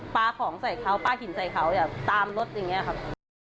ปลาของใส่เขาปลาหินใส่เขาตามรถอย่างนี้ครับ